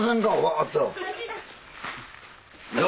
わ！っと。